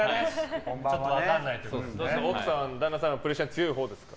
奥さん、旦那さんはプレッシャー強いほうですか？